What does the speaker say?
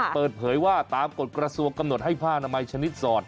เปิดเผยว่าตามกฎกระทรวงกำหนดให้ผ้านามัยชนิดสอด